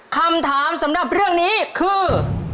คำถามสำหรับเรื่องนี้คือ